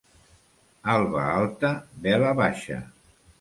Alba alta, vela baixa.